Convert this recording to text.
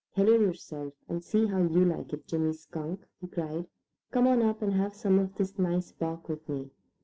"Hello yourself, and see how you like it, Jimmy Skunk!" he cried. "Come on up and have some of this nice bark with me."